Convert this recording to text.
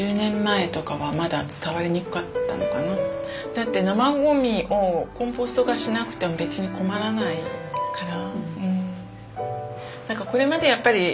だって生ゴミをコンポスト化しなくても別に困らないから。